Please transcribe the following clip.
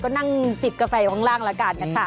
ก็นั่งจิบกาแฟข้างล่างละกัน